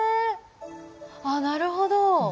あっなるほど。